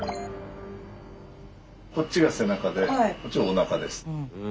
こっちが背中でこっちがおなかです。